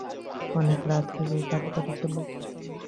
অনেক রাত হয়েছে, তাড়াতাড়ি চল।